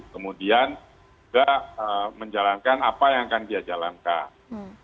kemudian tidak menjalankan apa yang kan dijalankan